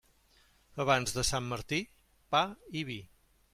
Abans de Sant Martí, pa i vi.